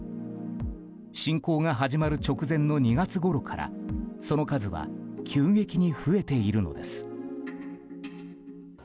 侵攻が始まる直前の２月ごろからその数は急激に増えているのです。